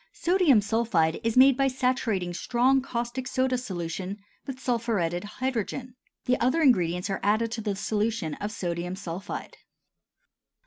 Sodium sulphide is made by saturating strong caustic soda solution with sulphuretted hydrogen. The other ingredients are added to the solution of sodium sulphide.